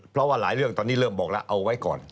เพราะว่าหลายเรื่องตอนนี้เริ่มบอกแล้วเอาไว้ก่อน